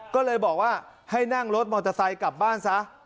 ก็เลยบอกว่าให้นั่งรถมอเตอร์ไซค์กลับบ้านซะ